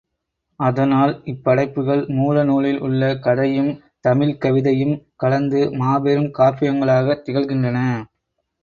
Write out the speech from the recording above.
அதனால் இப் படைப்புகள் மூல நூலில் உள்ள கதையும், தமிழ்க் கவிதையும் கலந்து மாபெரும் காப்பியங்களாகத் திகழ் கின்றன.